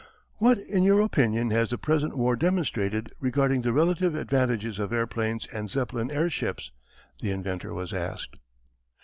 "What, in your opinion, has the present war demonstrated regarding the relative advantages of airplanes and Zeppelin airships?" the inventor was asked.